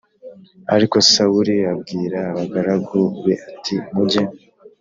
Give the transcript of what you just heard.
Ariko sawuli abwira abagaragu be ati mujye